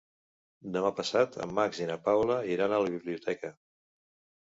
Demà passat en Max i na Paula iran a la biblioteca.